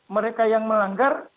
mereka yang melanggar